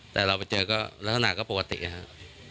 แต่เราไปเจอก็ลักษณะก็ปกตินะครับ